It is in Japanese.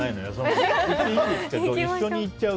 一緒に行っちゃう！